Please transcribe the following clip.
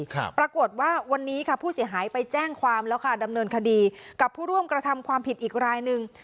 ปรากฏว่าวันนี้ค่ะผู้เสียหายไปแจ้งความแล้วค่ะดำเนินคดีกับผู้ร่วมกระทำความผิดอีกรายหนึ่ง